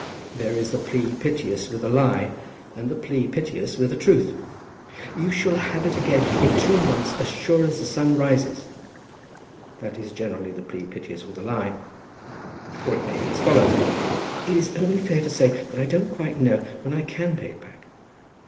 There is the plea piteous with a lie, and the plea piteous with a truth. "You shall have it again in two months as sure as the sun rises." That is generally the plea piteous with a lie. Or it may be as follows: "It is only fair to say that I don't quite know when I can pay it back."